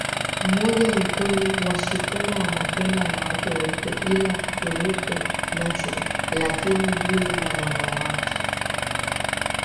mmojaNi kweli wasukuma wanapenda wanawake weupe ila weupe naturalLakini hili la wanawake